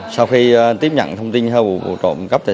sau khi tiếp nhận thông tin theo vụ trộm cắp tài sản